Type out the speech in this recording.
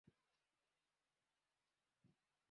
Hali hii imebadilika kwa kushirikisha wadau wote